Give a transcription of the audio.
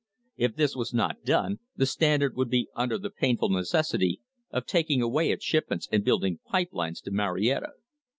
If this was not done the Standard would be under the painful necessity of taking away its shipments and building pipe lines to Marietta.